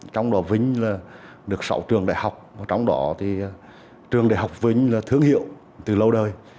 trong đó vinh là được sáu trường đại học trong đó thì trường đại học vinh là thương hiệu từ lâu đời